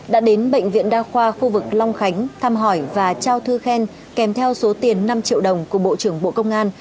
đã đến bệnh viện đa khoa khu vực long khánh thăm hỏi và trao thư khen kèm theo số tiền năm triệu đồng của bộ trưởng bộ công an